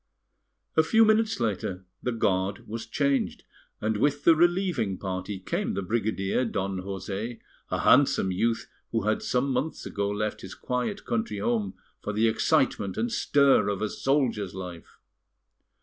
A few minutes later the guard was changed, and with the relieving party came the brigadier, Don José, a handsome youth who had some months ago left his quiet country home for the excitement and stir of a soldier's life.